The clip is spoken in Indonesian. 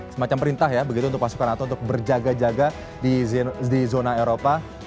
semacam perintah ya begitu untuk pasukan nato untuk berjaga jaga di zona eropa